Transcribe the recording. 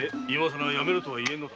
やめろとは言えんのだ。